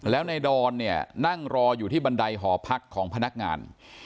แล้วในดอนเนี่ยนั่งรออยู่ที่บันไดหอพักของพนักงาน